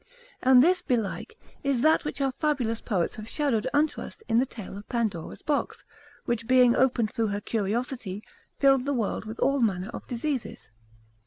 And this belike is that which our fabulous poets have shadowed unto us in the tale of Pandora's box, which being opened through her curiosity, filled the world full of all manner of diseases.